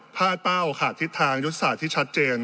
พลาดเป้าขาดทิศทางยุทธศาสตร์ที่ชัดเจน